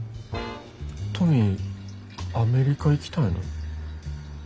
トミーアメリカ行きたいの？